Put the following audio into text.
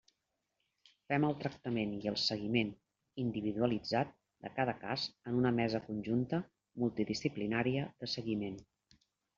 Fem el tractament i el seguiment individualitzat de cada cas en una mesa conjunta multidisciplinària de seguiment.